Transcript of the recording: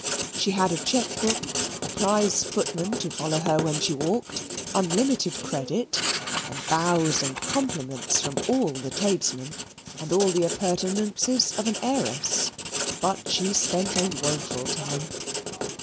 She had a cheque book, a prize footman to follow her when she walked, unlimited credit, and bows and compliments from all the tradesmen, and all the appurtenances of an heiress; but she spent a woeful time.